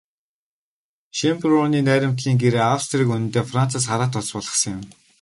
Шёнбрунны найрамдлын гэрээ Австрийг үндсэндээ Францаас хараат улс болгосон юм.